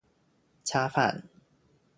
恰饭